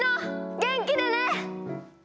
元気でね！